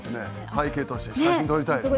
背景として写真撮りたいですね。